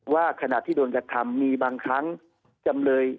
ขณะที่โดนกระทำมีบางครั้งจำเลย